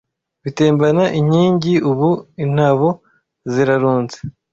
Bitembana inking Ubu intabo zirarunze